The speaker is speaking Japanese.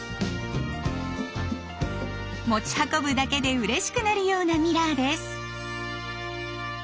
持ち運ぶだけでうれしくなるようなミラーです。